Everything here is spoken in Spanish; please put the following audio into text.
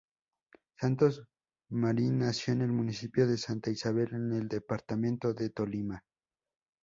Santos Marín nació en el municipio de Santa Isabel en el departamento del Tolima.